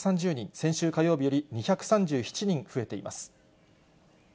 先週火曜日より２３７人増えています。